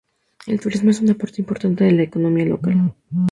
El turismo es una parte importante de la economía local.